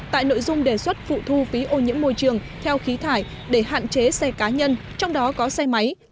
tại nội dung đề xuất phụ thu phí ô nhiễm môi trường theo khí thải để hạn chế xe cá nhân trong đó có xe máy